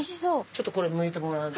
ちょっとこれむいてもらえる？